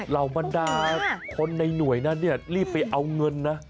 เรามันดาคนในหน่วยนั้นรีบไปเอาเงินนะ